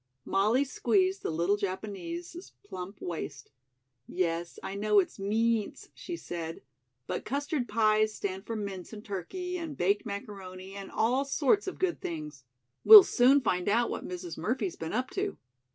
Molly squeezed the little Japanese's plump waist. "Yes, I know it's 'meence,'" she said, "but custard pies stand for mince and turkey and baked macaroni and all sorts of good things. We'll soon find out what Mrs. Murphy's been up to."